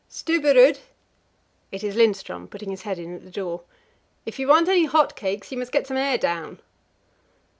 "Stubberud!" It is Lindström putting his head in at the door. "If you want any hot cakes, you must get some air down."